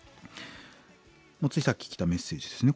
もうついさっき来たメッセージですね